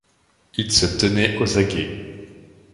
Ils se tenaient aux aguets.